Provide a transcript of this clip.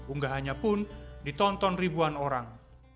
unggahannya pun ditonton ribuan orang